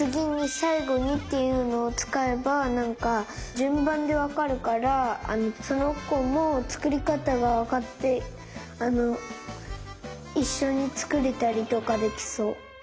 「さいごに」っていうのをつかえばなんかじゅんばんでわかるからそのこもつくりかたがわかっていっしょにつくれたりとかできそう。